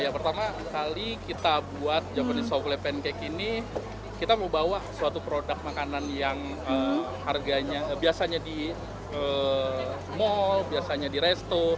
pertama kali kita buat japanese soflay pancake ini kita mau bawa suatu produk makanan yang harganya biasanya di mall biasanya di resto